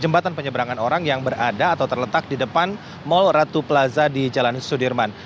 jembatan penyeberangan orang yang berada atau terletak di depan mall ratu plaza di jalan sudirman